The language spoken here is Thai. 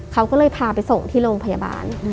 เขาก็เลยพาไปส่งที่โรงพยาบาล